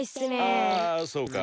あそうか。